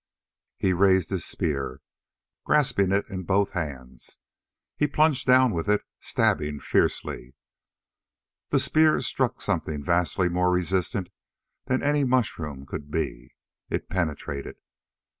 Burl raised his spear, grasping it in both hands. He plunged down with it, stabbing fiercely. The spear struck something vastly more resistant than any mushroom could be. It penetrated.